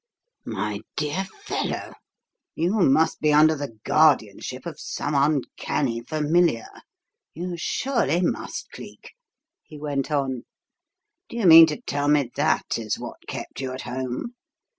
"My dear fellow, you must be under the guardianship of some uncanny familiar. You surely must, Cleek!" he went on. "Do you mean to tell me that is what kept you at home?